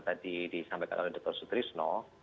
tadi disampaikan oleh dr sutrisno